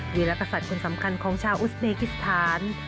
กีฬากษัตริย์คนสำคัญของชาวอุสเบกิสถาน